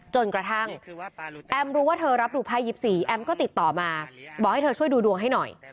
จนกระทั่งแอมรู้ว่าเธอรับดูไพ่๒๔แอมก็ติดต่อมาบอกให้เธอช่วยดูดวงให้หน่อย